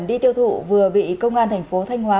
đi tiêu thụ vừa bị công an thành phố thanh hóa